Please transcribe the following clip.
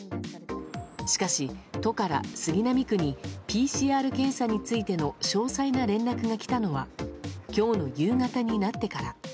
しかし、都から杉並区にＰＣＲ検査についての詳細な連絡が来たのは今日の夕方になってから。